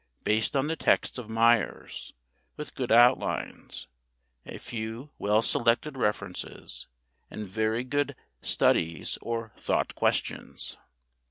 based on the texts of Myers, with good outlines, a few well selected references, and very good "studies" or "thought questions."